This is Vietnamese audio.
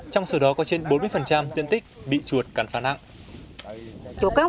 trong số đó có trên bốn mươi diện tích bị chuột cắn pha nặng